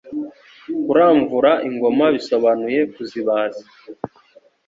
Kuramvura ingoma bisobanuye Kuzibaza